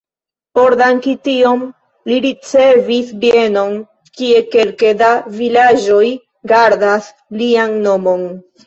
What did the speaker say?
Por danki tion li ricevis bienon, kie kelke da vilaĝoj gardas lian nomon.